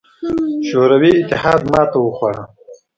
شوروي اتحاد ماتې وخوړه.